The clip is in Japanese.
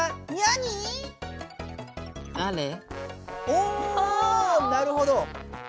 おなるほど。